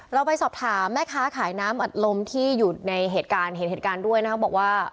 เราไปสอบถามแม่ค้าขายน้ำอัดลมที่อยู่ในเหตุการณ์เห็นเหตุการณ์ด้วยนะครับบอกว่า